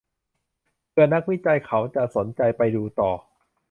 เผื่อนักวิจัยเขาจะสนใจไปดูต่อ